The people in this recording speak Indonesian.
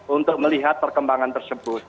untuk melihat perkembangan tersebut